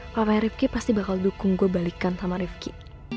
papanya rifqi pasti bakal dukung gue balikan sama rifqi